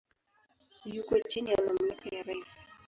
Yuko chini ya mamlaka ya rais.